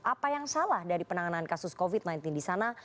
apa yang salah dari penanganan kasus covid sembilan belas di sana